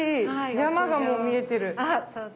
山がもう見えてる。